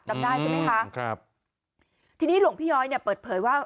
จำได้ใช่ไหมคะครับทีนี้หลวงพี่ย้อยเนี่ยเปิดเผยว่า